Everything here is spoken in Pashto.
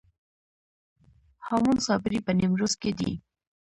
هامون صابري په نیمروز کې دی